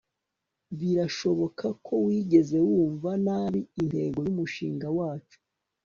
birashoboka ko wigeze wumva nabi intego yumushinga wacu